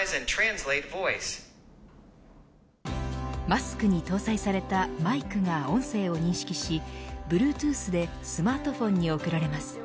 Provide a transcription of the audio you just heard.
マスクに搭載されたマイクが音声を認識しＢｌｕｅｔｏｏｔｈでスマートフォンに送られます。